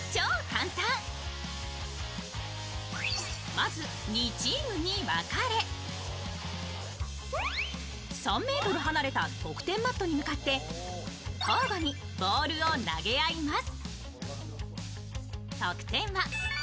まず２チームに分かれ、３ｍ離れた得点マットに向かって交互にボールを投げ合います。